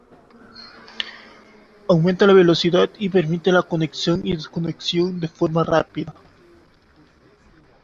Aumenta la velocidad y permite la conexión y desconexión de forma rápida.